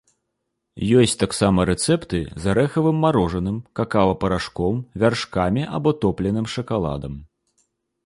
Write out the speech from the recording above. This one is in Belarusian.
Ёсць таксама рэцэпты з арэхавым марожаным, какава-парашком, вяршкамі або топленым шакаладам.